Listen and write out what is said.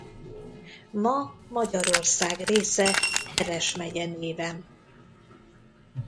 Ma Magyarország része Heves megye néven.